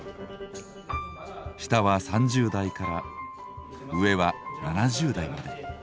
下は３０代から上は７０代まで。